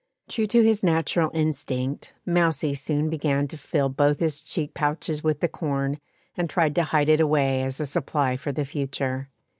True to his natural instinct, mousie soon began to fill both his cheek pouches with the corn, and tried to hide it away as a supply for the future.